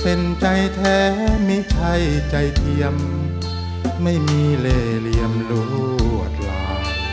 เป็นใจแท้ไม่ใช่ใจเทียมไม่มีเล่เหลี่ยมลวดลาย